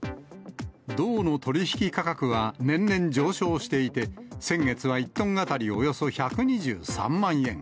銅の取り引き価格は年々上昇していて、先月は１トン当たりおよそ１２３万円。